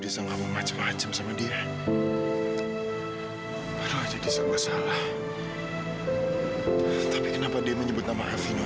sampai jumpa di video selanjutnya